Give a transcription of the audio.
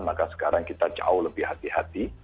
maka sekarang kita jauh lebih hati hati